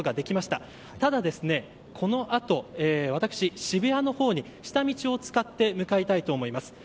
ただ、このあと私は渋谷まで下道を使って向かいたいと思います。